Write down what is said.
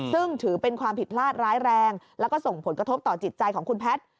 ซึ่งถือเป็นความผิดพลาดร้ายแรงแล้วก็ส่งผลกระทบต่อจิตใจของคุณแพทย์